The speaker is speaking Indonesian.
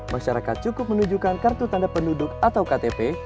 masyarakat cukup menunjukkan kartu tanda penduduk atau ktp